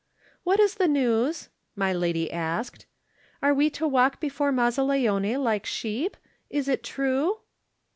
"What is the news?" my lady asked. "Are we to walk before Mazzaleone like sheep? Is it true?"